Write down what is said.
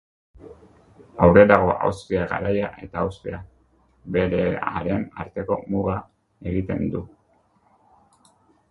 Aurrerago Austria Garaia eta Austria Beherearen arteko muga egiten du.